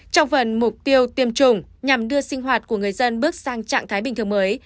trong phần mục tiêu tiêm chủng nhằm đưa sinh hoạt của người dân bước sang trạng thái bình thường mới